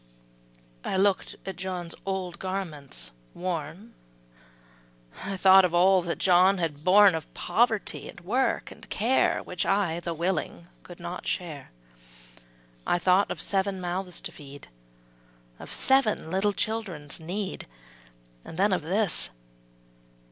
''' I look'd at John's old garments worn, I thought of all that John had borne Of poverty, and work, and care, Which I, though willing, could not share; I thought of seven mouths to feed, Of seven little children's need, And then of this.